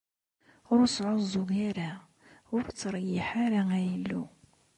Ur sɛuẓẓug ara, ur treyyiḥ ara, ay Illu!